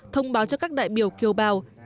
thông báo cho các đại biểu kiều bào